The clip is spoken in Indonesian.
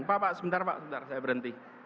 pak pak sebentar pak sebentar saya berhenti